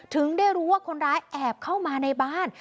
ถึงได้รู้ว่าคนร้ายแอบเข้ามาในบ้าน